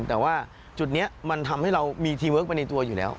แต่ว่าจุดนี้มันทำให้เรามีทีเวิร์คไปในตัวอยู่แล้ว